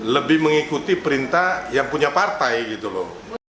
lebih mengikuti perintah yang punya partai gitu loh